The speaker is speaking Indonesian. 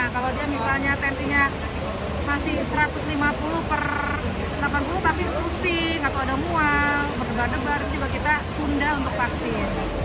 kalau dia misalnya tensinya masih satu ratus lima puluh per delapan puluh tapi pusing atau ada mual berdebar debar juga kita tunda untuk vaksin